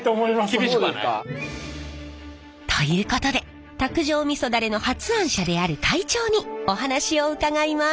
厳しくはない？ということで卓上みそダレの発案者である会長にお話を伺います！